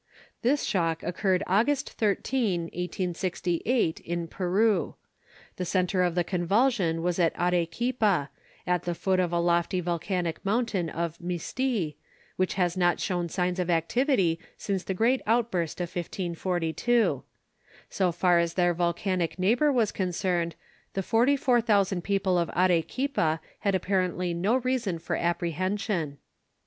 This shock occurred August 13, 1868, in Peru. The center of the convulsion was at Arequipa, at the foot of the lofty volcanic mountain of Misti, which has not shown signs of activity since the great outburst of 1542. So far as their volcanic neighbor was concerned, the forty four thousand people of Arequipa had apparently no reason for apprehension.